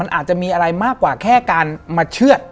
อาจจะมีอะไรมากกว่าแค่การมาเชื่อด